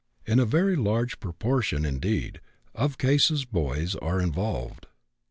In a very large proportion, indeed, of cases boys are involved.